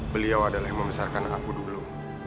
beliau adalah yang membesarkan aku dulu